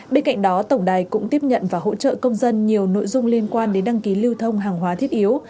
bên cạnh đó tổng đài cũng tiếp nhận và hỗ trợ công dân nhiều nội dung liên quan đến đăng ký lưu thông hàng hóa thiết yếu